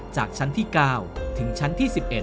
จากชั้นที่๙ถึงชั้นที่๑๑